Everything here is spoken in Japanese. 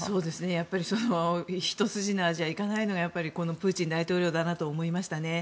やっぱり一筋縄じゃいかないのがこのプーチン大統領だなと思いましたね。